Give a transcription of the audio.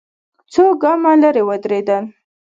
څو ګامه ليرې ودرېدل.